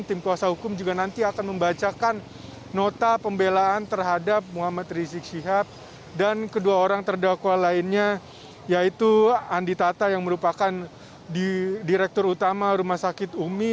tim kuasa hukum juga nanti akan membacakan nota pembelaan terhadap muhammad rizik syihab dan kedua orang terdakwa lainnya yaitu andi tata yang merupakan direktur utama rumah sakit umi